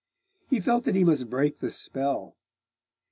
He felt that he must break the spell.